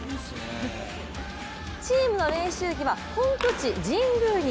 チームの練習着は本拠地・神宮に。